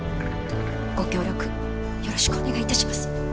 ご協力よろしくお願いいたします。